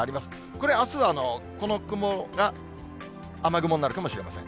これ、あすはこの雲が雨雲になるかもしれません。